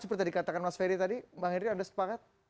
seperti yang dikatakan mas ferry tadi bang henry anda sepakat